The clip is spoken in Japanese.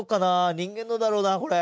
人間のだろうなこれ。